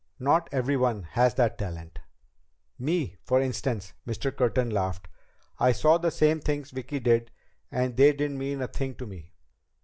Not everyone has that talent." "Me, for instance." Mr. Curtin laughed. "I saw the same things Vicki did, and they didn't mean a thing to me."